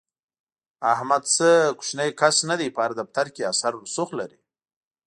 احمد څه کوچنی کس نه دی، په هر دفتر کې اثر رسوخ لري.